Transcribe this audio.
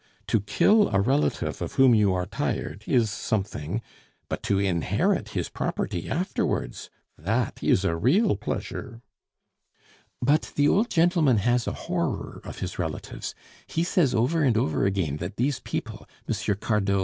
To kill a relative of whom you are tired, is something; but to inherit his property afterwards that is a real pleasure!" "But the old gentleman has a horror of his relatives. He says over and over again that these people M. Cardot, M.